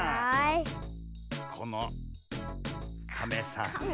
このカメさんと。